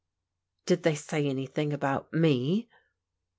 " Did they say anything about me?